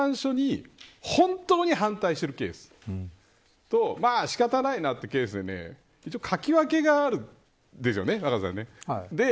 裁判所に本当に反対しているケースとまあ仕方ないなというケースで一応、書き分けがあるんですよね若狭さん。